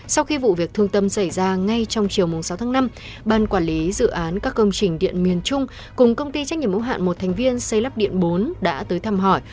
sau khi vụ việc thương tâm xảy ra ngay trong chiều sáu tháng năm ban quản lý dự án các công trình điện miền trung cùng công ty trách nhiệm ủng hạn một thành viên xây lắp điện bốn đã tới thăm hỏi